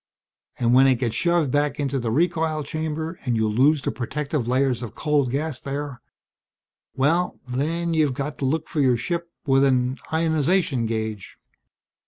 And when it gets shoved back into the recoil chamber and you lose the protective layers of cold gas there well, then you've got to look for your ship with an ionization gauge!